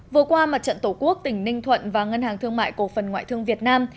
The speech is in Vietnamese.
vừa qua mặt trận tổ quốc tỉnh ninh thuận và ngân hàng thương mại cổ phần ngoại thương việt nam